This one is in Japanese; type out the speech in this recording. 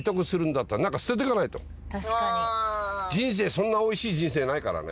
そんなおいしい人生ないからね。